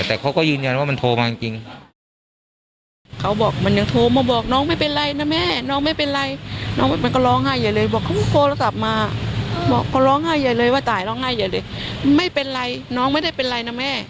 แต่พ่อวางชีพก็รู้ว่ามันตายอย่างเงี้ย